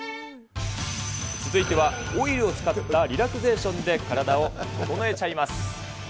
続いてはオイルを使ったリラクゼーションで体を整えちゃいます。